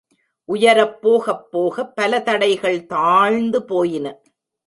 உயரப் போகப் போக பல தடைகள் தாழ்ந்து போயின.